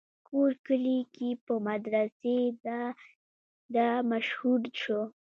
کور کلي کښې پۀ مدرسې دادا مشهور شو